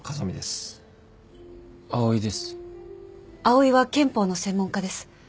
藍井は憲法の専門家です。